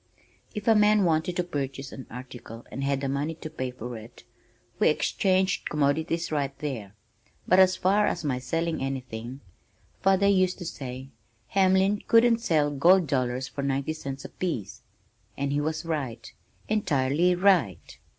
If a man wanted to purchase an article and had the money to pay for it, we exchanged commodities right there, but as far as my selling anything father used to say, "Hamlin couldn't sell gold dollars for ninety cents a piece," and he was right entirely right.